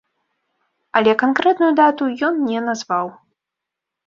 Але канкрэтную дату ён не назваў.